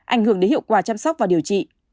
ảnh hưởng đến hiệu quả chăm sóc và điều trị